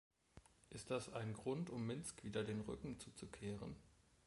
Ist das ein Grund, um Minsk wieder den Rücken zuzukehren?